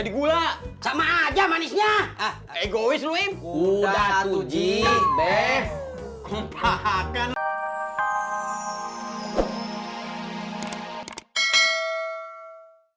gula sama aja manisnya egois luim udah tuji bes kumpah akan